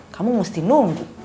kamu mesti nunggu